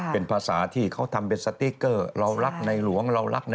เป็นภาษาที่เขาทำเป็นสติ๊กเกอร์เรารักในหลวงเรารัก